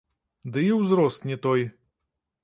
Ды і ўзрост не той.